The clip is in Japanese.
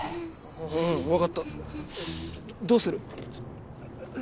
おおわかったどうする？